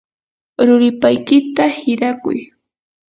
ruripaykita hirakuy.